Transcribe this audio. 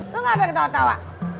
lo gak mau ketawa ketawa